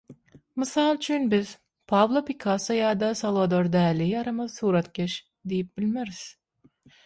Mysal üçin, biz „Pablo Pikasso ýa-da Salwador Dali ýaramaz suratkeş“ diýip bilmeris.